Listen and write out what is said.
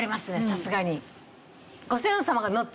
さすがに。